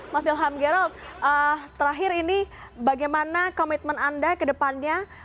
mas ilham gero terakhir ini bagaimana komitmen anda ke depannya